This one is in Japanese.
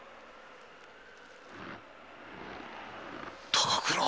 高倉！？